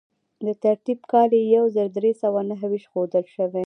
د ترتیب کال یې یو زر درې سوه نهه ویشت ښودل شوی.